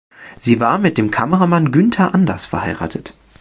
Sie war mit dem Kameramann Günther Anders verheiratet.